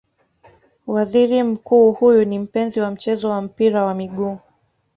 Waziri Mkuu huyu ni mpenzi wa mchezo wa mpira wa miguu